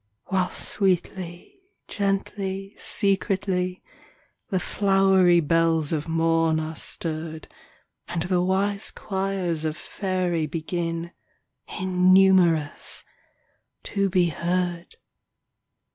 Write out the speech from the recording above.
While sweetly, gently, secretly, The flowery bells of morn are stirred And the wise choirs of faery Begin (innumerous !) to be heard.